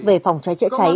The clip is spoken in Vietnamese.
về phòng cháy chữa cháy